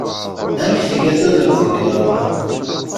Amek tga tudert deg Alman?